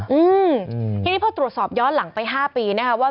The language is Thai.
ทีนี้พอตรวจสอบย้อนหลังไป๕ปีนะครับว่า